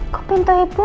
kok pintu ibu